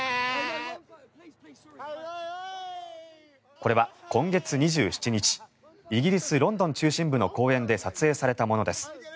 これは今月２７日イギリス・ロンドン中心部の公園で撮影されたものです。